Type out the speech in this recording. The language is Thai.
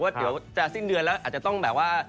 เดี๋ยวจะสิ้นเดือนแล้วอาจจะต้องแบบว่า